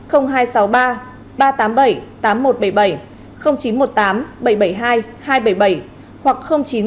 hai trăm sáu mươi ba ba trăm tám mươi bảy tám nghìn một trăm bảy mươi bảy chín trăm một mươi tám bảy trăm bảy mươi hai hai trăm bảy mươi bảy hoặc chín trăm một mươi chín một chín trăm sáu mươi bảy